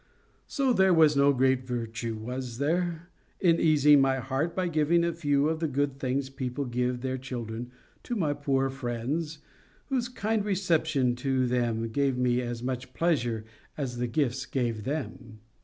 So there was no great virtue—was there?—in easing my heart by giving a few of the good things people give their children to my poor friends, whose kind reception of them gave me as much pleasure as the gifts gave them.